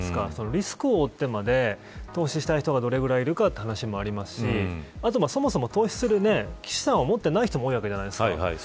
リスクを負ってまで投資したい人がトどれぐらいいるかという話もありますしあとは、そもそも投資する資産を持っていない人もいるわけじゃないですか。